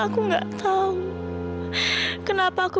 bu anwar thankful dengan ibu